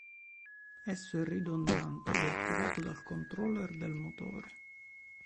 Esso è ridondante ed è attivato dal controller del motore.